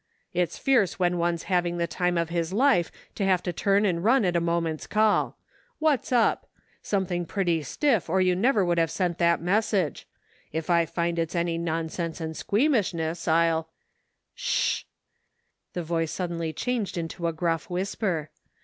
It's fierce when one's having the time of his life to have to turn and run at a moment's call. What's up? Something pretty stiff or you never would have sent that message. If I find it's any nonsense and squeamishness I'll "" Sh " The voice suddenly changed into a gruff whisper.